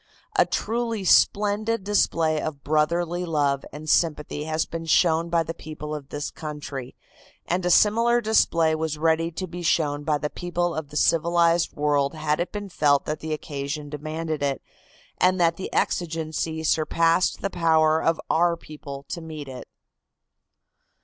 A truly splendid display of brotherly love and sympathy has been shown by the people of this country, and a similar display was ready to be shown by the people of the civilized world had it been felt that the occasion demanded it and that the exigency surpassed the power of our people to meet it.